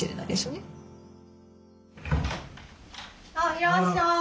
いらっしゃい。